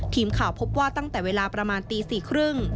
ทีมข่าวพบว่าตั้งแต่เวลาประมาณตี๔ครึ่ง